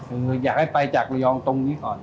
คืออยากให้ไปจากระยองตรงนี้ก่อน